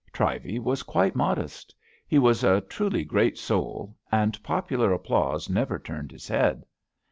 Trivey was quite modest. He was a truly great soul, and popular applause never turned his head.